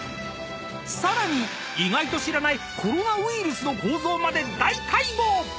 ［さらに意外と知らないコロナウイルスの構造まで大解剖！］